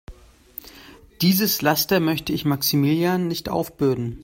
Dieses Laster möchte ich Maximilian nicht aufbürden.